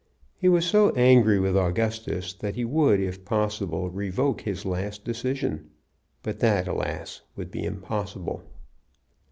He was so angry with Augustus that he would, if possible, revoke his last decision; but that, alas! would be impossible.